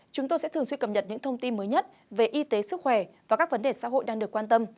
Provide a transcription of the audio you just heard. chúng tôi sẽ thường xuyên cập nhật những thông tin mới nhất về y tế sức khỏe và các vấn đề xã hội đang được quan tâm